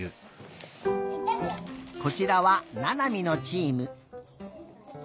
こちらはななみのチーム。